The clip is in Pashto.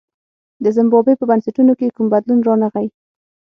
د زیمبابوې په بنسټونو کې کوم بدلون رانغی.